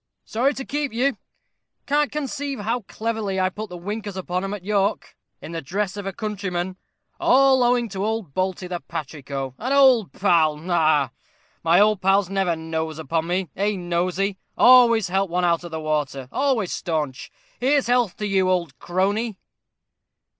Sorry to keep you can't conceive how cleverly I put the winkers upon 'em at York, in the dress of a countryman; all owing to old Balty, the patrico, an old pal ha, ha! My old pals never nose upon me eh, Nosey always help one out of the water always staunch. Here's health to you, old crony."